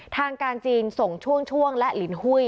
ทางการจีนส่งช่วงและลินหุ้ย